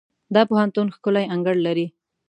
دا پوهنتون ښکلی انګړ لري.